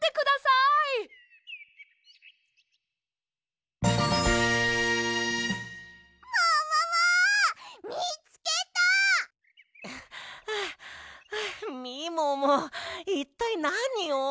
いったいなにを？